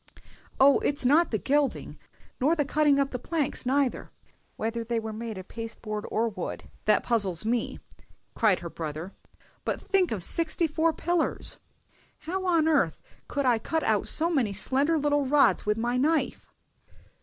"Oh, it's not the gilding, nor the cutting up the planks neither, whether they be made of pasteboard or wood, that puzzles me!" cried her brother; "but think of sixty four pillars! How on earth could I cut out so many slender little rods with my knife!"